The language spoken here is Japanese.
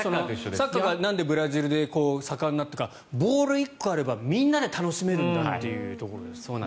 サッカーがなんでブラジルで盛んになったかボール１個あればみんなで楽しめるんだというところですよね。